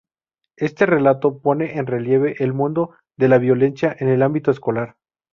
Este relato pone en relieve el mundo de la violencia en el ámbito escolar.